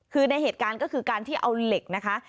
คือในเหตุการณ์ก็คือการที่เอาเหล็กนะคะ